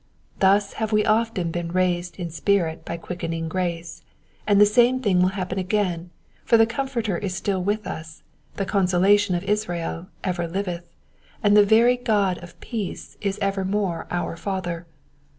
Thus have we often been raised in spirit by quickening grace, and the same thing will happen again, fd| the Comforter is still with us, the Consolation of Israel ever liveth, and the very God of peace is evermore our Father.